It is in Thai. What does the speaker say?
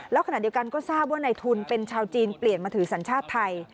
แล้วขณะเดียวกันก็ทราบว่าในทุนเป็นชาวจีนเปลี่ยนมาถือสัญชาติไทย